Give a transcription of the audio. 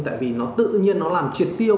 tại vì nó tự nhiên nó làm triệt tiêu